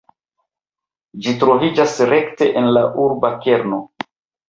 Ĝi troviĝas rekte en la urba kerno.